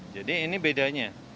jadi ini bedanya